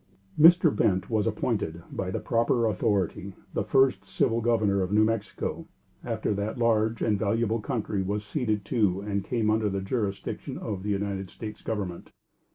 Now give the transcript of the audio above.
Mr. Bent was appointed, by the proper authority, the first Civil Governor of New Mexico, after that large and valuable country was ceded to and came under the jurisdiction of the United States Government.